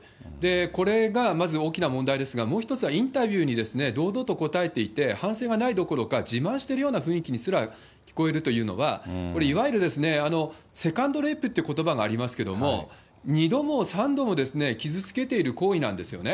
これがまず大きな問題ですが、もう一つはインタビューに堂々と答えていて、反省がないどころか、自慢しているような雰囲気にすら聞こえるというのは、これいわゆるセカンドレイプっていうことばがありますけども、２度も３度も傷つけている行為なんですよね。